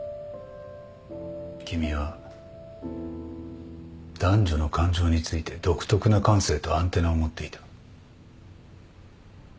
君は男女の感情について独特な感性とアンテナを持っていた。